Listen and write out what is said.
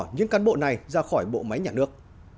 những cán bộ này ra khỏi bộ máy nhà nước